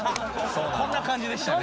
こんな感じでしたね。